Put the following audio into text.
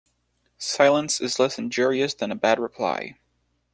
Silence is less injurious than a bad reply.